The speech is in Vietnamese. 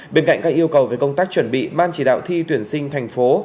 bên cạnh các yêu cầu về công tác chuẩn bị ban chỉ đạo thi tuyển sinh thành phố